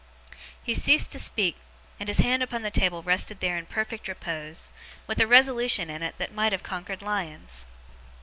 He ceased to speak, and his hand upon the table rested there in perfect repose, with a resolution in it that might have conquered lions.